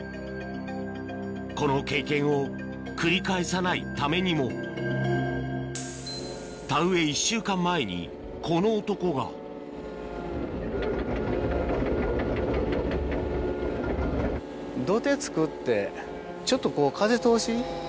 この経験を繰り返さないためにも田植え１週間前にこの男がちょっとこう。